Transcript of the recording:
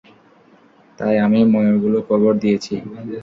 তাই আমি ময়ূরগুলো কবর দিয়েছি।